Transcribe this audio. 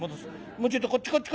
もうちょっとこっちこっち